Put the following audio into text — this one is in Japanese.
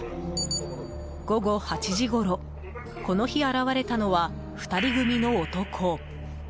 午後８時ごろこの日現れたのは２人組の男。